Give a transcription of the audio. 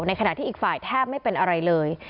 ขณะที่อีกฝ่ายแทบไม่เป็นอะไรเลย